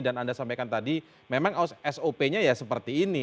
dan anda sampaikan tadi memang sop nya ya seperti ini